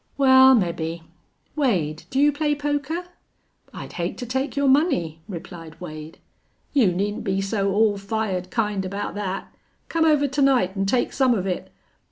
"Wal, mebbe. Wade, do you play poker?" "I'd hate to take your money," replied Wade. "You needn't be so all fired kind about thet. Come over to night an' take some of it.